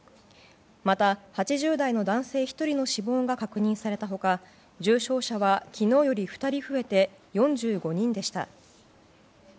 また、８０代の男性１人の死亡が確認された他重症者は昨日より２人増えて４５人でした。